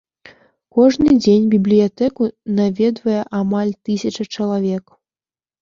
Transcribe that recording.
Кожны дзень бібліятэку наведвае амаль тысяча чалавек.